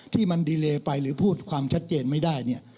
ที่มันดีเลไปหรือพูดความชัดเจนไม่ได้เนี่ย